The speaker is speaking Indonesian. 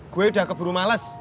gue udah keburu males